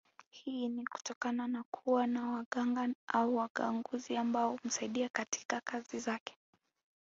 Hii ni kutokana na kuwa na waganga au waaguzi ambao humsaidia katika kazi zake